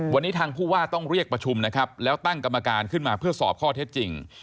วันนี้ทางผู้ว่าต้องเรียกประชุมนะครับแล้วตั้งกรรมการขึ้นมาเพื่อสอบข้อเท็จจริง